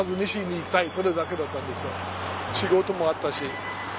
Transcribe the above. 仕事もあったし。